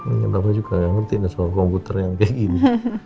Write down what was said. ini bapak juga gak ngerti soal komputer yang kayak gini